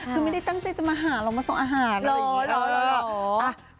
คือไม่ได้ตั้งใจจะมาหาเรามาส่งอาหารอะไรอย่างงี้ค่ะหรอหรอหรอ